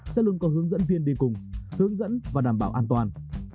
sẽ luôn có hướng dẫn viên đi cùng hướng dẫn và đảm bảo an toàn